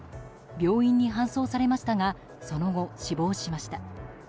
病院に搬送されましたがその後、死亡しました。